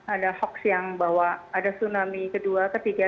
ada hoax yang bahwa ada tsunami kedua ketiga